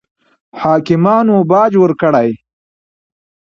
حاکمانو باج ورکړي.